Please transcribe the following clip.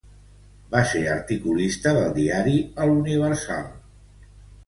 Va ser articulista del diari El Universal.